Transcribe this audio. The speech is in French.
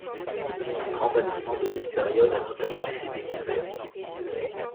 Un grand bâtiment de cette période a notamment été découvert.